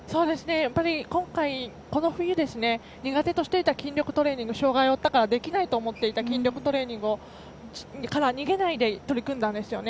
やっぱり今回、この冬苦手としていた筋力トレーニング障がいを負ってからできないと思っていた筋力トレーニングから逃げないで取り組んだんですよね。